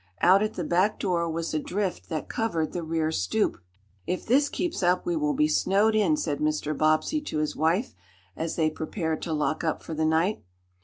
Out at the back door was a drift that covered the rear stoop. "If this keeps up we will be snowed in," said Mr. Bobbsey to his wife, as they prepared to lock up for the night.